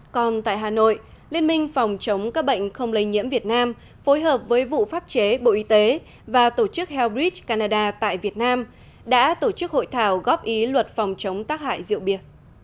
còn tại hà nội liên minh phòng chống các bệnh không lây nhiễm việt nam phối hợp với vụ pháp chế bộ y tế và tổ chức healbrid canada tại việt nam đã tổ chức hội thảo góp ý luật phòng chống tác hại rượu bia